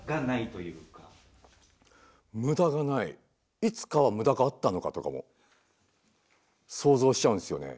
むだがないいつかはむだがあったのかとかも想像しちゃうんですよね。